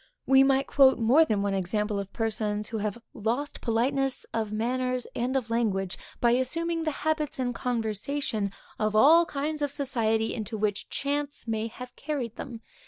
We might quote more than one example of persons, who have lost politeness of manners and of language by assuming the habits and conversation of all kinds of society into which chance may have carried them.